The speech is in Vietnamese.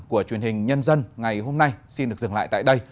của truyền hình nhân dân ngày hôm nay xin được dừng lại tại đây